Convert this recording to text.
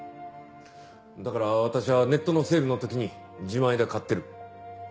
だから私はネットのセールの時に自前で買ってる。